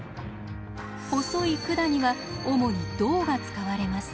細い管には主に銅が使われます。